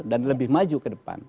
dan lebih maju ke depan